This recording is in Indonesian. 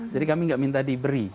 jadi kami tidak minta diberi